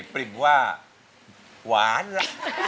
ปริ่มว่าหวานละ